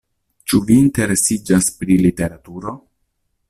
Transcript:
Ĉu vi interesiĝas pri literaturo?